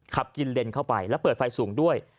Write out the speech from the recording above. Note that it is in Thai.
ขับกินเลนเข้าไปแล้วเปิดไฟสูงด้วย